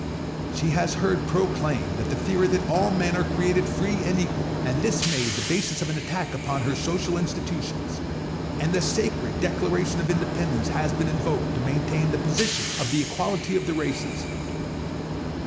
She has heard proclaimed the theory that all men are created free and equal, and this made the basis of an attack upon her social institutions; and the sacred Declaration of Independence has been invoked to maintain the position of the equality of the races.